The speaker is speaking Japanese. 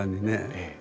ええ。